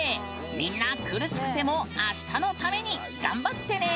みんな、苦しくてもあしたのために頑張ってね！